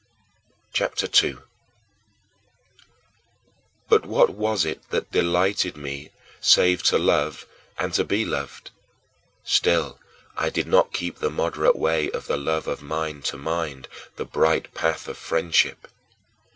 CHAPTER II 2. But what was it that delighted me save to love and to be loved? Still I did not keep the moderate way of the love of mind to mind the bright path of friendship.